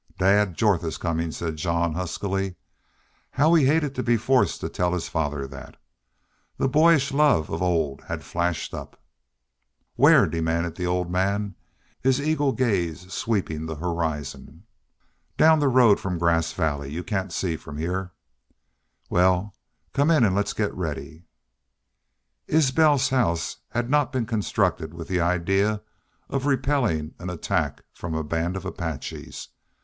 "Dad Jorth is comin'," said Jean, huskily. How he hated to be forced to tell his father that! The boyish love of old had flashed up. "Whar?" demanded the old man, his eagle gaze sweeping the horizon. "Down the road from Grass Valley. You can't see from here." "Wal, come in an' let's get ready." Isbel's house had not been constructed with the idea of repelling an attack from a band of Apaches.